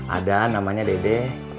ada namanya dede